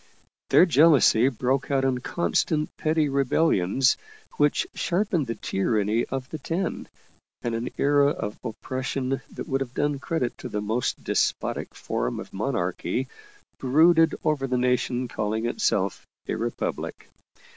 Their jealousy broke out in constant petty rebellions which sharpened the tyranny of the Ten, and an era of oppression that would have done credit to the most despotic form of monarchy brooded over the nation calling itself a Republic.